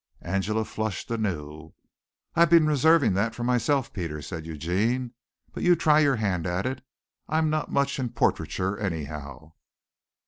Angela flushed anew. "I've been reserving that for myself, Peter," said Eugene, "but you try your hand at it. I'm not much in portraiture anyhow."